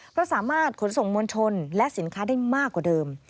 เพราะสามารถขนส่งมวลชนและสินค้าได้มากกว่าเดิม